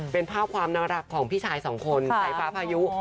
เป็นภาพความน่ารักของพี่ชายสองคนสายฟ้าพายุ